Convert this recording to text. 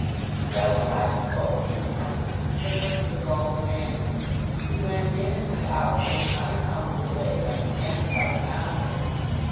He several times spoke with an emphasis, similar to the vulgar manner. He went in and went out in an unaccountable way, like a man without an object.